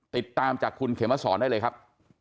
ติดตามจากคุณเขมสอนได้เลยครับ